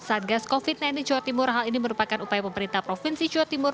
saat gas covid sembilan belas jawa timur hal ini merupakan upaya pemerintah provinsi jawa timur